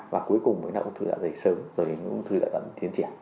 và cuối cùng mới là ung thư dạ dày sớm rồi đến ung thư dạ dày tiến triển